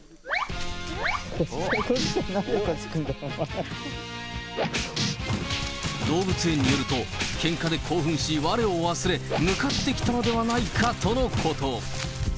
こっち来た、動物園によると、けんかで興奮し、われを忘れ、向かってきたのではないかとのこと。